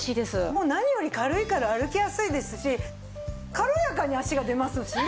もう何より軽いから歩きやすいですし軽やかに足が出ますしね。